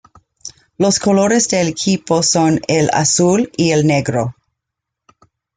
Los colores del equipo son el azul y el negro.